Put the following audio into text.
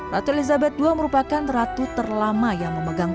ratu elizabeth ii merupakan ratu terlama yang memegang